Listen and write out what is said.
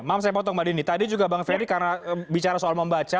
maaf saya potong mbak dini tadi juga bang ferry karena bicara soal membaca